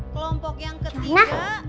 kelompok yang ketiga